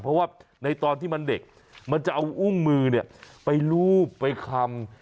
เพราะว่าในตอนที่มันเด็กมันจะเอาอุ้งมือไปลูบไปคำ